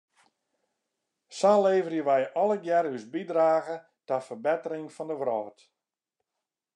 Sa leverje wij allegearre ús bydrage ta ferbettering fan de wrâld.